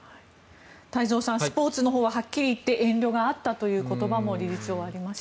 太蔵さんスポーツのほうははっきりいって遠慮があったという言葉も理事長からありました。